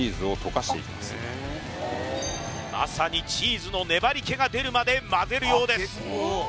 まさにチーズの粘り気が出るまでまぜるようです